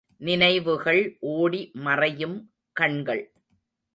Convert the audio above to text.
நினைவுகள் ஓடி மறையும் கண்கள்.